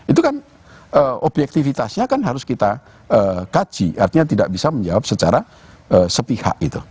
itu kan objektivitasnya kan harus kita kaji artinya tidak bisa menjawab secara sepihak gitu